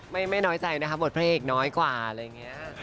ไม่น้อยใจนะครับบทเพลงน้อยกว่าอะไรอย่างนี้